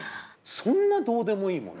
そんなどうでもいいもの